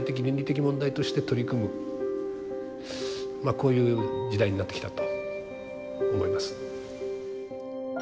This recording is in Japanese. こういう時代になってきたと思います。